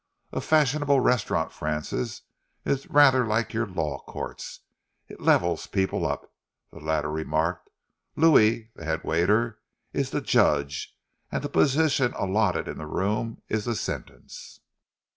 "A fashionable restaurant, Francis, is rather like your Law Courts it levels people up," the latter remarked. "Louis, the head waiter, is the judge, and the position allotted in the room is the sentence.